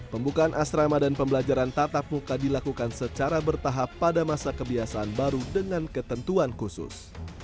pembukaan asrama dan pembelajaran tatap muka dilakukan secara bertahap pada masa kebiasaan baru dengan ketentuan khusus